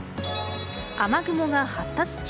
雨雲が発達中。